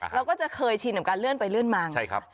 เราก็จะเคยชินกับการเลื่อนไปเลื่อนมาใช่ครับ